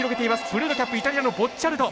ブルーのキャップイタリアのボッチャルド。